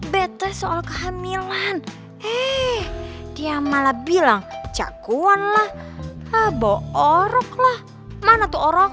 bete bete soal kehamilan eh dia malah bilang jagoan lah bawaan orok lah mana tuh orok